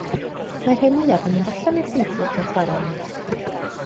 Mae'r rhai mwyaf yn mynd allan i'r beudy ac yn chwarae yno.